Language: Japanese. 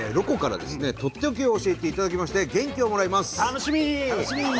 とっておきを教えていただきまして元気をもらいます。